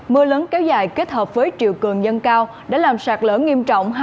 mưa lớn kéo dài kết hợp với triều cường dân cao đã làm sạt lở nghiêm trọng